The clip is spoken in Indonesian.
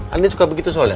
andien suka begitu soalnya